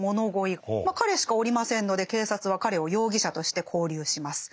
まあ彼しかおりませんので警察は彼を容疑者として拘留します。